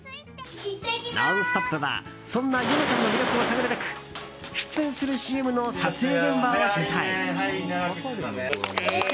「ノンストップ！」はそんな柚乃ちゃんの魅力を探るべく出演するＣＭの撮影現場を取材。